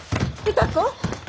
歌子。